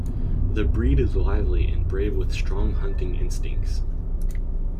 The breed is lively and brave with strong hunting instincts.